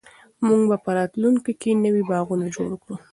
موږ به په راتلونکي کې نوي باغونه جوړ کړو.